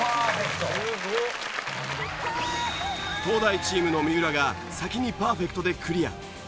東大チームの三浦が先にパーフェクトでクリア。